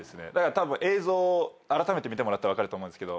映像あらためて見てもらったら分かると思うんですけど。